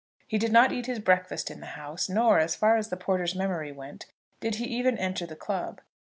He did not eat his breakfast in the house, nor, as far as the porter's memory went, did he even enter the club.